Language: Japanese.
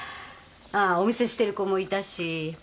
ああお店してる子もいたし。